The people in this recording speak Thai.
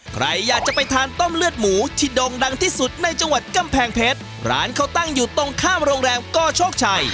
ใครอยากจะไปทานต้มเลือดหมูที่โด่งดังที่สุดในจังหวัดกำแพงเพชรร้านเขาตั้งอยู่ตรงข้ามโรงแรมกโชคชัย